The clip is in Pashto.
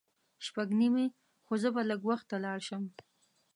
شپږ نیمې خو زه به لږ وخته لاړ شم.